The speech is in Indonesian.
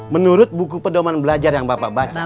menurut buku pedoman belajar yang bapak baca